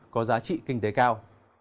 có giá trị kinh tế cao